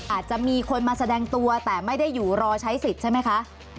อาจจะมีคนมาแสดงตัวแต่ไม่ได้อยู่รอใช้สิทธิ์ใช่ไหมคะ